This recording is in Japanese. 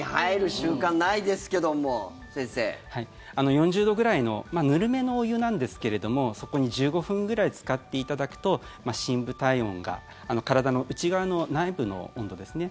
４０度ぐらいのぬるめのお湯なんですけれどもそこに１５分ぐらいつかっていただくと深部体温が体の内側の、内部の温度ですね。